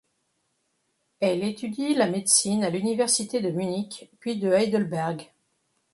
Elle étudie la médecine à l'université de Munich, puis de Heidelberg.